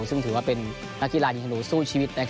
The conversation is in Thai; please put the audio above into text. ซึ่งถือว่าเป็นนักกีฬายิงธนูสู้ชีวิต